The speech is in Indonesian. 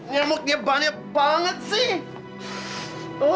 nyemuknya banyak banget sih